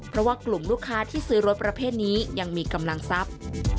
เพราะว่ากลุ่มลูกค้าที่ซื้อรถประเภทนี้ยังมีกำลังทรัพย์